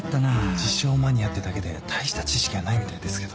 自称マニアってだけで大した知識はないみたいですけど。